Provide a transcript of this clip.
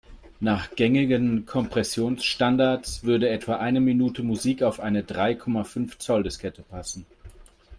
Nach gängigen Kompressionsstandards würde etwa eine Minute Musik auf eine drei Komma fünf Zoll-Diskette passen.